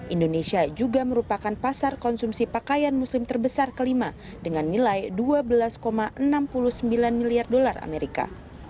indonesia juga merupakan pasar konsumsi pakaian muslim terbesar kelima dengan nilai dua belas enam puluh sembilan miliar dolar amerika